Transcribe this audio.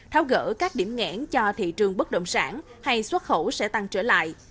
tháo gỡ các điểm ngẽn cho thị trường bất động sản hay xuất khẩu sẽ tăng trở lại